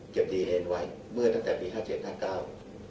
ดีเฮนไว้เมื่อตั้งแต่ปีห้าเจ็ดห้าเก้า